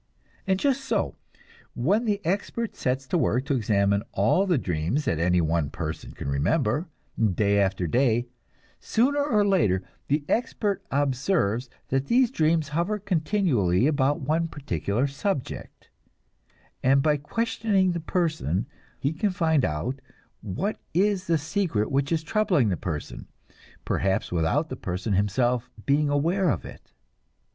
And just so, when the expert sets to work to examine all the dreams that any one person can remember, day after day, sooner or later the expert observes that these dreams hover continually about one particular subject; and by questioning the person, he can find out what is the secret which is troubling the person, perhaps without the person himself being aware of it.